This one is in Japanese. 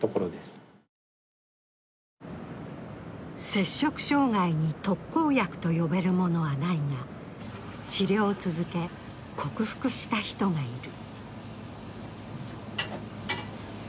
摂食障害に特効薬と呼べるものはないが、治療を続け、克服した人がいる。